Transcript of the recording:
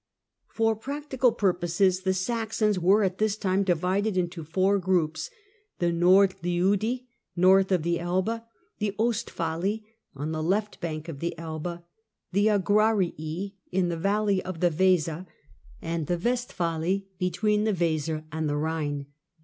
For practical purposes the Saxons were at this time divided into four groups — the Nordliudi, north of the Elbe ; the Ostfali, on the left bank of the. Elbe ; the Angrarii in the valley of the Weser; and the Westfali, between the Weser and the Rhine.